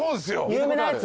有名なやつ？